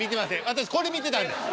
私これ見てたんです。